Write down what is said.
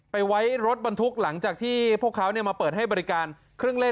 ไปไว้รถบรรทุกหลังจากที่พวกเขามาเปิดให้บริการเครื่องเล่น